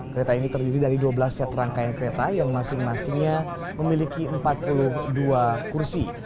kereta ini terdiri dari dua belas set rangkaian kereta yang masing masingnya memiliki empat puluh dua kursi